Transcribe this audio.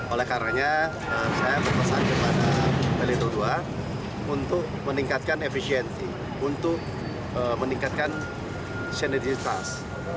oleh karena saya berpesan kepada melito ii untuk meningkatkan efisien untuk meningkatkan seniditas